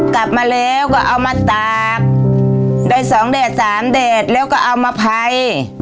กลับมาแล้วก็เอามาตากได้สองแดดสามแดดแล้วก็เอามาไพร